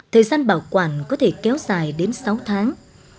thời gian bảo quản có thể kéo dài đến sáu tháng